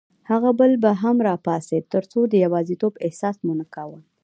هغه بل به هم راپاڅېد، ترڅو د یوازیتوب احساس مو نه کاوه.